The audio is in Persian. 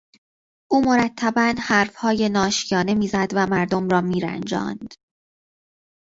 او مرتبا حرفهای ناشیانه میزد و مردم را میرنجاند.